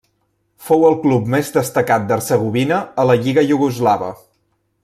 Fou el club més destacat d'Hercegovina a la lliga iugoslava.